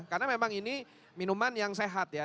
karena memang ini minuman yang sehat ya